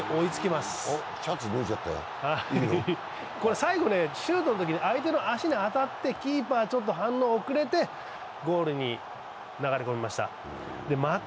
最後シュートのときに相手の足に当たってキーパー、ちょっと反応が遅れてゴールに流れ込みました。